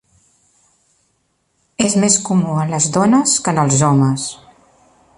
És més comú en les dones que en els homes.